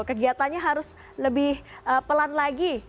kegiatannya harus lebih pelan lagi